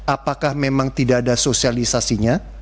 apakah memang tidak ada sosialisasinya